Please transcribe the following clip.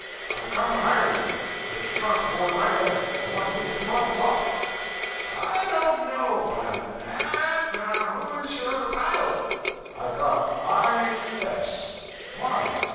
I've come to hire you; get your trunk aboard right away. I want to leave at twelve o'clock.' 'I don't know about that. Who is your other pilot?' 'I've got I. S . Why?'